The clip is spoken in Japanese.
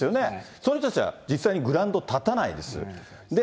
その人たちは、実際にグラウンド立たないです。